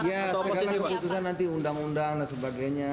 ya sekarang keputusan nanti undang undang dan sebagainya